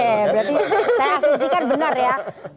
oke berarti saya asumsikan benar ya